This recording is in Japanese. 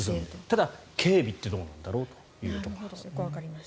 ただ、警備ってどうなんだろうというところです。